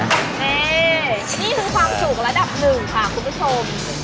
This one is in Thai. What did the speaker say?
นี่คือความสุขระดับ๑ค่ะคุณผู้ชม